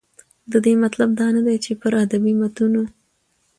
د دې مطلب دا نه دى، چې پر ادبي متونو